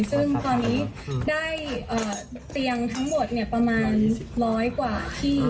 ซึ่งตอนนี้ได้เตียงทั้งหมดประมาณร้อยกว่าที่